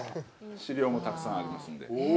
資料もたくさんありますので。